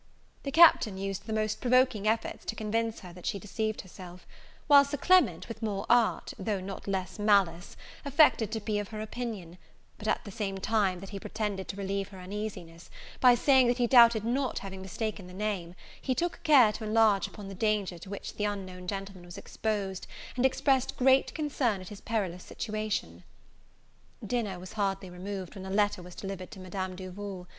The Captain used the most provoking efforts to convince her that she deceived herself; while Sir Clement, with more art, though not less malice, affected to be of her opinion; but, at the same time that he pretended to relieve her uneasiness, by saying that he doubted not having mistaken the name, he took care to enlarge upon the danger to which the unknown gentleman was exposed, and expressed great concern at his perilous situation. Dinner was hardly removed, when a letter was delivered to Madam Duval.